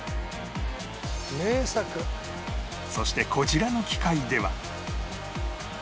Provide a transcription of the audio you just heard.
そしてこちらの機械では